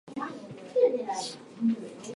今、データの不足に貢献できるのは、あなたしかいない。